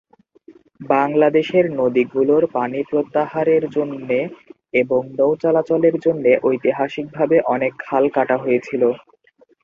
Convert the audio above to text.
বাংলাদেশের নদীগুলোর পানি প্রত্যাহারের জন্যে এবং নৌ চলাচলের জন্যে ঐতিহাসিকভাবে অনেক খাল কাটা হয়েছিলো।